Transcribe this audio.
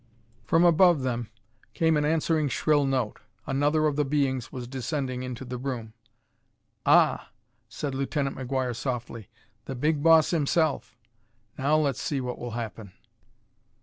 From up above them came an answering shrill note. Another of the beings was descending into the room. "Ah!" said Lieutenant McGuire softly, "the big boss, himself. Now let's see what will happen."